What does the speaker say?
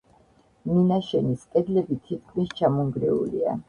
მინაშენის კედლები თითქმის ჩამონგრეულია.